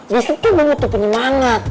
besok tuh gue butuh penyemangat